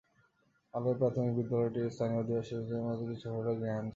আলো প্রাথমিক বিদ্যালয়টি স্থানীয় বস্তিবাসী শিশুদের মধ্যে কিছুটা হলেও জ্ঞান ছড়াচ্ছে।